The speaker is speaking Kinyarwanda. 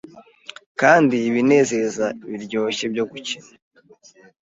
kandi ibinezeza biryoshye byo gukina